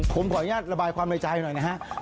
ผมขออนุญาตระบายความในใจหน่อยนะฮะ